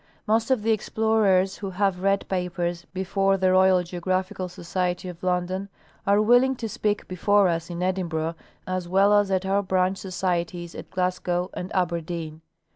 Most of the explorers who have read papers before the Royal Geographical Society of Lon don are willing to speak before us in Edinburgh as well as at our branch societies at Glasgow and Aberdeen.